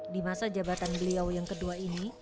di masa jabatan beliau yang kedua ini